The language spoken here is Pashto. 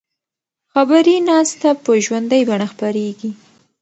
خبري ناسته په ژوندۍ بڼه خپریږي.